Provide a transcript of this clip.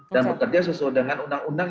dan bekerja sesuai dengan undang undang